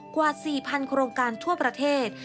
กว่า๔๐๐โครงการทั่วประเทศ